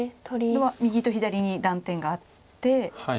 これは右と左に断点があって。